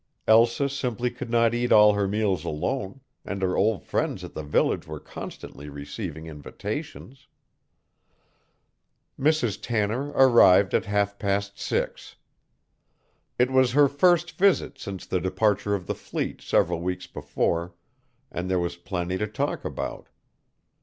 Elsa simply could not eat all her meals alone, and her old friends at the village were constantly receiving invitations. Mrs. Tanner arrived at half past six. It was her first visit since the departure of the fleet several weeks before, and there was plenty to talk about.